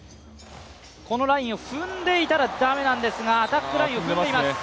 このラインを踏んでいたら駄目なんですがアタックラインを踏んでいます。